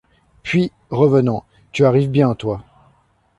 Puis, revenant :— Tu arrives bien, toi.